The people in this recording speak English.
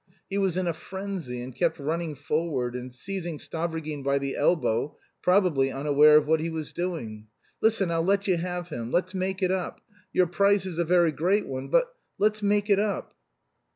He was in a frenzy, and kept running forward and seizing Stavrogin by the elbow, probably unaware of what he was doing. "Listen. I'll let you have him. Let's make it up. Your price is a very great one, but... Let's make it up!"